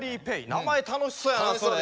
名前楽しそうやなそれ。